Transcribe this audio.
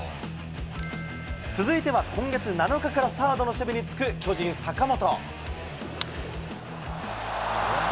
続いては、今月７日からサードの守備に就く巨人、坂本。